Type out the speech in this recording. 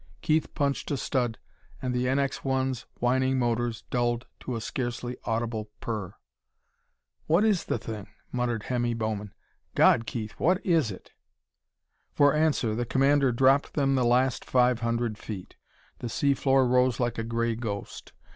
Keith punched a stud, and the NX 1's whining motors dulled to a scarcely audible purr. "What is the thing?" muttered Hemmy Bowman. "God, Keith, what is it?" For answer, the commander dropped them the last five hundred feet. The sea floor rose like a gray ghost.